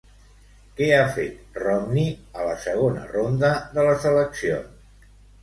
Què ha fet Romney a la segona ronda de les eleccions?